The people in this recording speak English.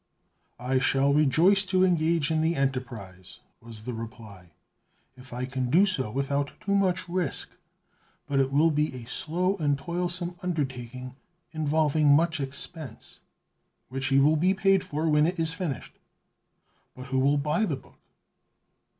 '" "I shall rejoice to engage in the enterprise," was the reply, "if I can do so without too much risk, but it will be a slow and toilsome undertaking, involving much expense" "Which you will be paid for when it is finished." "But who will buy the book?"